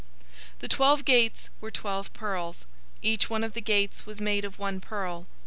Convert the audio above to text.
021:021 The twelve gates were twelve pearls. Each one of the gates was made of one pearl.